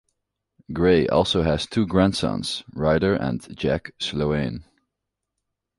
Gray also has two grandsons, Ryder and Jack Sloane.